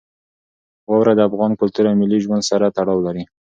واوره د افغان کلتور او ملي ژوند سره تړاو لري.